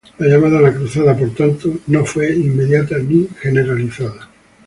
La llamada a la cruzada, por tanto, no fue inmediata ni generalizada.